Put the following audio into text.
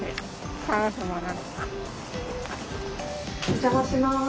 お邪魔します。